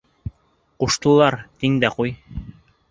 Ҡуштылар, тиң дә ҡуй.